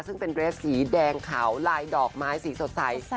ซึ่งเป็นเรสสีแดงขาวลายดอกไม้สีสดใส